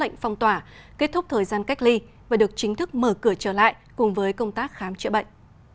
bệnh viện đà nẵng đã dỡ lệnh phong tỏa kết thúc thời gian cách ly và được chính thức mở cửa trở lại cùng với công tác khám chữa bệnh